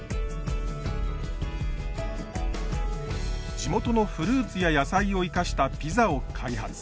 地元のフルーツや野菜を生かしたピザを開発。